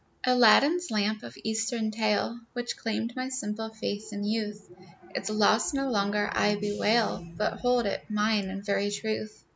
Aladdin's lamp of Eastern tale, Which claimed my simple faith in youth, Its loss no longer I bewail, But hold it mine in very truth.